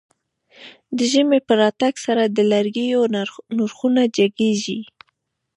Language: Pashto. د ژمی په راتګ سره د لرګيو نرخونه جګېږي.